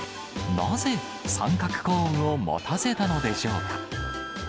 なぜ、三角コーンを持たせたのでしょうか。